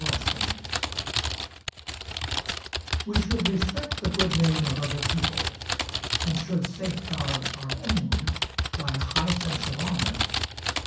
A GOOD NAME We should respect the good name of other people, and should safeguard our own by a high sense of honor.